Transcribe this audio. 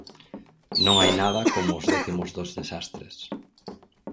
Non hai nada como os décimos dos desastres.